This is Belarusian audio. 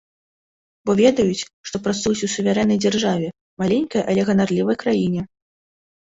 Бо ведаюць, што працуюць у суверэннай дзяржаве, маленькай але ганарлівай краіне!